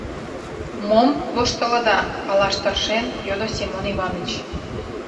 — Мом воштылыда? — палаш тыршен, йодо Семон Иваныч.